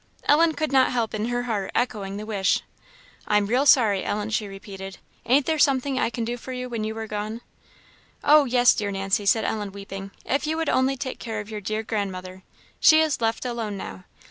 Ellen could not help in her heart echoing the wish. "I'm real sorry, Ellen," she repeated. "Ain't there something I can do for you when you are gone?" "Oh, yes, dear Nancy," said Ellen, weeping "if you would only take care of your dear grandmother. She is left alone now.